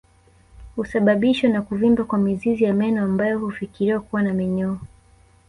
Husababishwa na kuvimba kwa mizizi ya meno ambayo hufikiriwa kuwa na minyoo